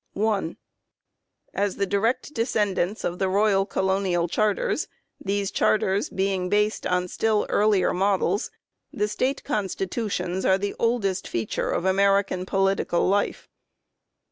As the direct descendants of the royal colonial charters, these charters being based on still earlier models, the State Constitutions are the oldest feature of American political life.